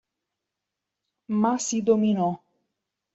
Ma si dominò.